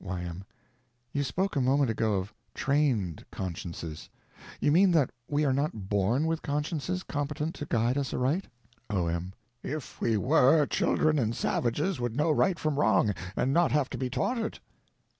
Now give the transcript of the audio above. Y.M. You spoke a moment ago of trained consciences. You mean that we are not born with consciences competent to guide us aright? O.M. If we were, children and savages would know right from wrong, and not have to be taught it.